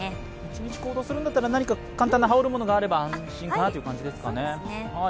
一日行動するんだったら何か羽織るものがあったら安心かなという感じですね。